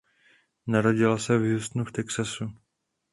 Narodila se v Houstonu v Texasu.